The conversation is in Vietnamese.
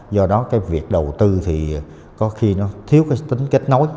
do đó cái việc đầu tư thì có khi nó thiếu cái tính kết nối